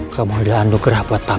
kamu udah anduk gerah buat papa put